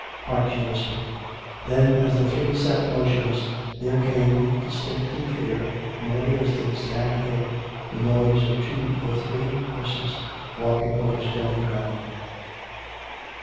" Hark !" she whispered. Then as the three sat motionless, there came, distinct and clear, from a little distance down the hill, the noise of two or three horses walking over stony ground.